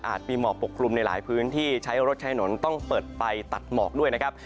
มีหมอกปกคลุมในหลายพื้นที่ใช้รถใช้ถนนต้องเปิดไฟตัดหมอกด้วยนะครับ